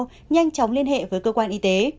nhanh chóng liên hệ với cơ quan y tế